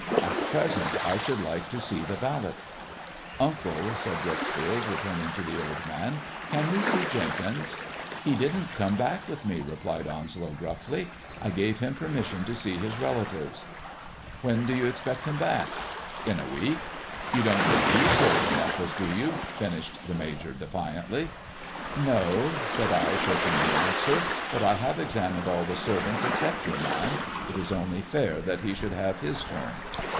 At present I should like to see the valet." " Uncle," said Dreuxfield, returning to the old man, " can we see Jenkins 1 "" He didn't come back with me," replied Onslow gruffly. I gave him permission to see his relatives." " When do you expect him back ?"" In a week ! You don't think he stole the necklace, do you 1 " finished the Major defiantly. " No," said I, shirking the answer, " but I have examined all the servants except your man. It is only fair that he should have his turn."